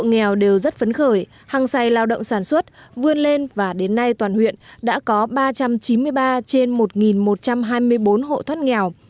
hộ nghèo đều rất phấn khởi hăng say lao động sản xuất vươn lên và đến nay toàn huyện đã có ba trăm chín mươi ba trên một một trăm hai mươi bốn hộ thoát nghèo